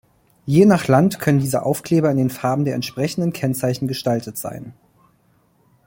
Je nach Land können diese Aufkleber in den Farben der entsprechenden Kennzeichen gestaltet sein.